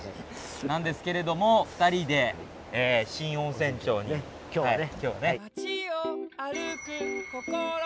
なんですけれども２人で新温泉町に。今日はね。